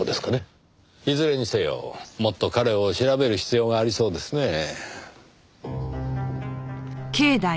いずれにせよもっと彼を調べる必要がありそうですねぇ。